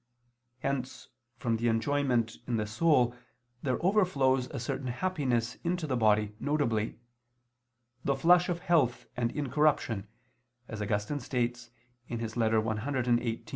Hence from the enjoyment in the soul there overflows a certain happiness into the body, viz., "the flush of health and incorruption," as Augustine states (Ep. ad Dioscor.